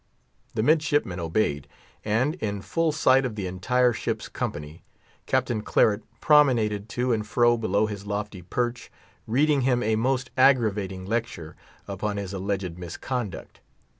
The midshipman obeyed; and, in full sight of the entire ship's company, Captain Claret promenaded to and fro below his lofty perch, reading him a most aggravating lecture upon his alleged misconduct.